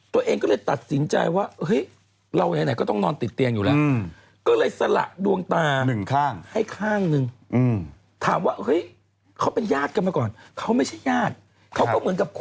แต่สุดท้ายแล้วเราต้องไปตรวจความแบบ